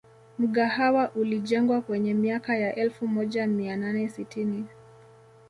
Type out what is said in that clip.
Mgahawa ulijengwa kwenye miaka ya elfu moja mia nane sitini